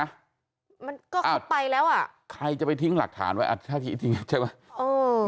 อ้าวมันก็ก็ไปแล้วใครจะไปทิ้งหลักฐานไว้อาจจะทิ้งใช่ไหม